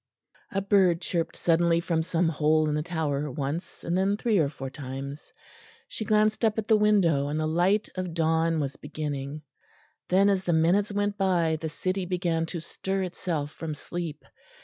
A bird chirped suddenly from some hole in the Tower, once, and then three or four times; she glanced up at the window and the light of dawn was beginning. Then, as the minutes went by, the city began to stir itself from sleep.